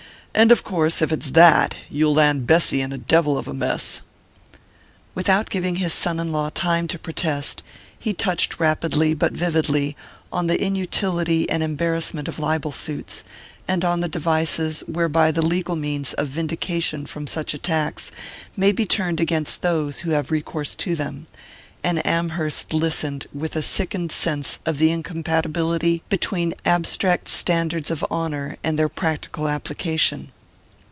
"And, of course, if it's that, you'll land Bessy in a devil of a mess." Without giving his son in law time to protest, he touched rapidly but vividly on the inutility and embarrassment of libel suits, and on the devices whereby the legal means of vindication from such attacks may be turned against those who have recourse to them; and Amherst listened with a sickened sense of the incompatibility between abstract standards of honour and their practical application.